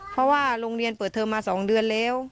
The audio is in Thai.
เพราะว่าโรงเรียนเปิดเทอมมา๒เดือนแล้ว